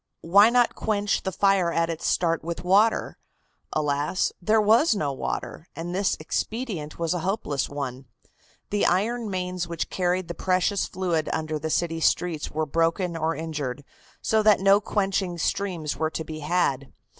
Why not quench the fire at its start with water? Alas! there was no water, and this expedient was a hopeless one. The iron mains which carried the precious fluid under the city streets were broken or injured so that no quenching streams were to be had.